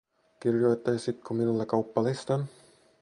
Kirjoittaisitko minulle kauppalistan